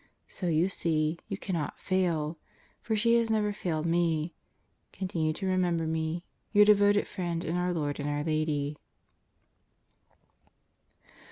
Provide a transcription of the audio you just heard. So you see, you cannot fail; for she has never failed me! Continue to remember me. Your devoted friend in our Lord and our Lady